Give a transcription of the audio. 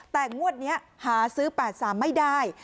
แต่งวดนี้หาซื้อ๘๓ไม่ได้